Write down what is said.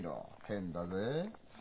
変だぜ。